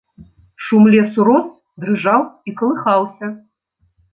Шум лесу рос, дрыжаў і калыхаўся.